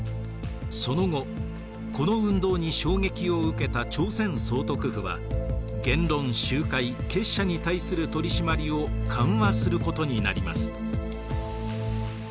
その後この運動に衝撃を受けた朝鮮総督府は言論集会結社に対する取り締まりを緩和することになります。